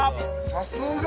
さすが。